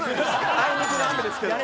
あいにくの雨ですけど。